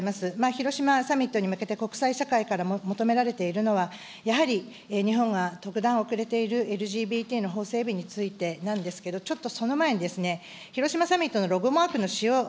広島サミットに向けて国際社会から求められているのは、やはり日本が特段遅れているＬＧＢＴの法整備についてなんですけど、ちょっとその前にですね、広島サミットのロゴマークの使用